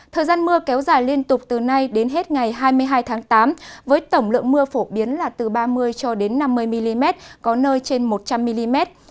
thời gian mưa kéo dài liên tục từ nay đến hết ngày hai mươi hai tháng tám với tổng lượng mưa phổ biến là từ ba mươi cho đến năm mươi mm có nơi trên một trăm linh mm